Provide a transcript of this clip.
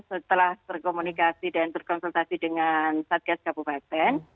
setelah terkomunikasi dan terkonsultasi dengan satgas kabupaten